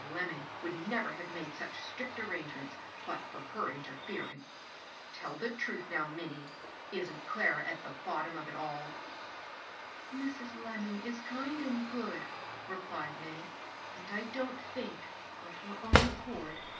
Lemming would never have made such strict arrangements but for her interfering. Tell the. truth now, Minnie, — isn't Clara at the bottom of itaU?" "Mrs. Lemming is kind and good," replied Minnie ;" and I don't think, of her own accord.